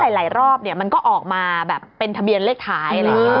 แล้วหลายรอบเนี่ยมันก็ออกมาแบบเป็นทะเบียนเลขท้าย